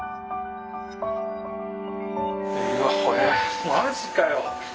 うわこれマジかよ。